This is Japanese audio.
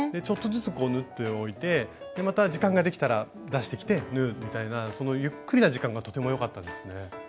ちょっとずつ縫っておいてまた時間ができたら出してきて縫うみたいなゆっくりな時間がとても良かったですね。